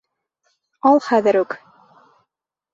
Ал хәҙер үк!